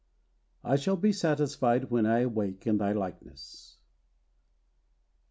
"I shall be satisfied when I awake in thy likeness."